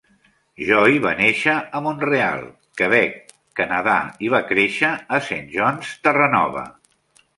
Joy va néixer a Mont-real, Quebec, Canadà, i va créixer a Saint John's, Terranova.